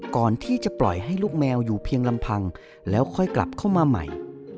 ก่อนที่จะปล่อยให้ลูกแมวอยู่เพียงลำพังแล้วค่อยกลับเข้ามาใหม่